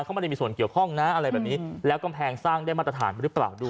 เขาไม่ได้มีส่วนเกี่ยวข้องนะอะไรแบบนี้แล้วกำแพงสร้างได้มาตรฐานหรือเปล่าด้วย